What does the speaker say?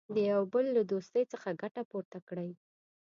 د یوه بل له دوستۍ څخه ګټه پورته کړي.